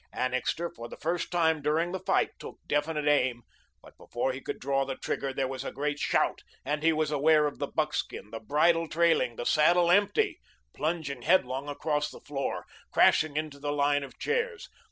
Annixter, for the first time during the fight, took definite aim, but before he could draw the trigger there was a great shout and he was aware of the buckskin, the bridle trailing, the saddle empty, plunging headlong across the floor, crashing into the line of chairs.